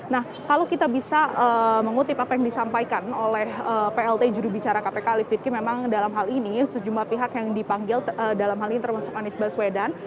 nah kalau kita bisa mengutip apa yang disampaikan oleh plt jurubicara kpk alif fitq memang dalam hal ini sejumlah pihak yang dipanggil dalam hal ini termasuk anies baswedan